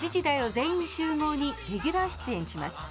全員集合」にレギュラー出演します。